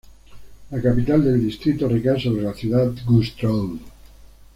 La capital del distrito recae sobre la ciudad Güstrow.